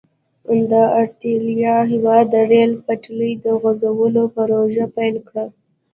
د اریتریا هېواد د ریل پټلۍ د غزولو پروژه پیل کړه.